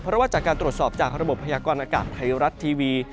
เพราะว่าจากการตรวจสอบจากระบบพยากรณากาศไทยรัฐทีวี